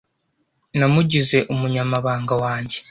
Namugize umunyamabanga wanjye.